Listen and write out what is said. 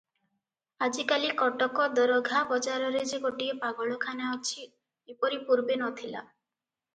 ଆଜିକାଲି କଟକ ଦରଘା ବଜାରରେ ଯେ ଗୋଟିଏ ପାଗଳଖାନା ଅଛି, ଏପରି ପୂର୍ବେ ନ ଥିଲା ।